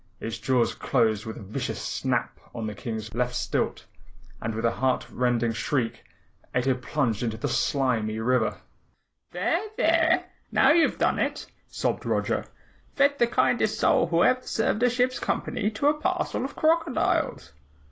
Its jaws closed with a vicious snap on the King's left stilt and with a heart rending shriek Ato plunged into the slimy river. "There, there! Now you've done it!" sobbed Roger. "Fed the kindest soul who ever served a ship's company to a parcel of crocodiles!"